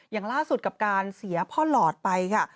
อย่างล่าสุดกับการเสียพ่อหลอดไปค่ะ